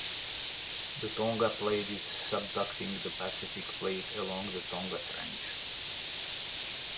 The Tonga plate is subducting the Pacific plate along the Tonga Trench.